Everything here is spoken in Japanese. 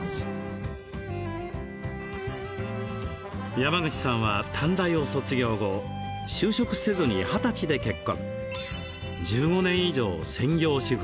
山口さんは短大を卒業後就職せずに二十歳で結婚。